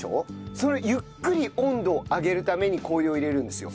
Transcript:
それゆっくり温度を上げるために氷を入れるんですよ。